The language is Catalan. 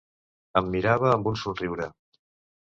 Em mirava amb un somriure.